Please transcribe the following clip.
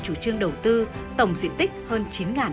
chủ trương đầu tư tổng diện tích hơn